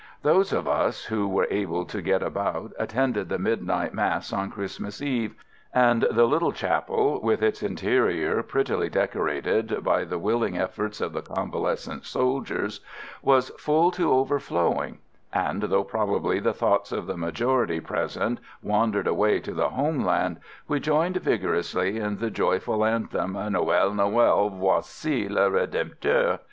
Those of us who were able to get about attended the midnight mass on Christmas Eve, and the little chapel, with its interior prettily decorated by the willing efforts of the convalescent soldiers, was full to overflowing; and, though probably the thoughts of the majority present wandered away to the homeland, we joined vigorously in the joyful anthem, "Noel! Noel! Voici le Redempteur!"